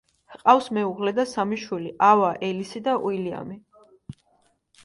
ჰყავს მეუღლე და სამი შვილი: ავა, ელისი და უილიამი.